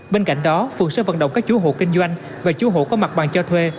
bên cạnh đó phường sẽ vận động các chủ hộ kinh doanh và chú hộ có mặt bằng cho thuê